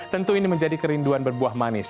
tentu ini menjadi kerinduan berbuah manis